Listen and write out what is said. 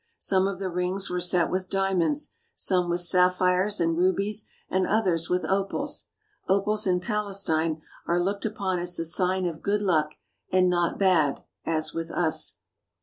Some of the rings were set with diamonds, some with sapphires and rubies, and others with opals. Opals in Palestine are looked upon as the sign of good luck and not bad, as with us.